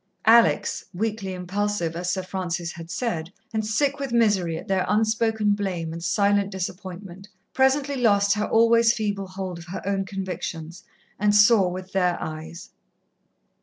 Alex, weakly impulsive, as Sir Francis had said, and sick with misery at their unspoken blame and silent disappointment, presently lost her always feeble hold of her own convictions, and saw with their eyes.